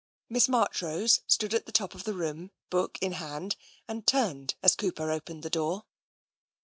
Miss Marchrose stood at the top of the room, book in hand, and turned as Cooper opened the door.